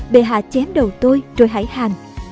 bề hạ chém đầu tôi rồi hãy hàng